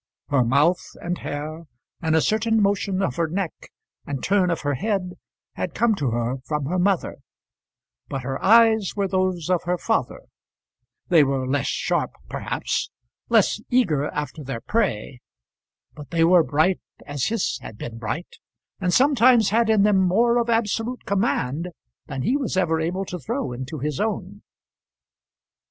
Her mouth, and hair, and a certain motion of her neck and turn of her head, had come to her from her mother, but her eyes were those of her father: they were less sharp perhaps, less eager after their prey; but they were bright as his had been bright, and sometimes had in them more of absolute command than he was ever able to throw into his own.